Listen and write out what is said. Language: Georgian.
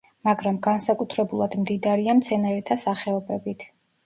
მაგრამ განსაკუთრებულად მდიდარია მცენარეთა სახეობებით.